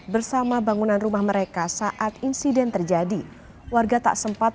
pemilik rumah mengaku sempat ikut terjatuh ke laut